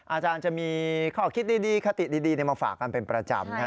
อาจารย์จะมีข้อคิดดีคติดีมาฝากกันเป็นประจำนะครับ